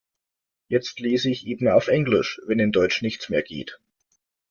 Jetzt lese ich eben auf Englisch, wenn in Deutsch nichts mehr geht.